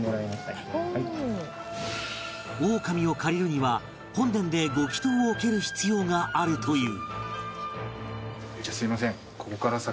オオカミを借りるには本殿でご祈祷を受ける必要があるという